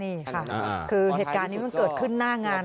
นี่ค่ะคือเหตุการณ์นี้มันเกิดขึ้นหน้างาน